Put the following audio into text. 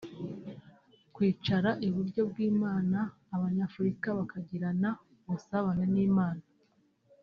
Kwicara iburyo bw’Imana abanyafurika bakagirana ubusabane n’Imana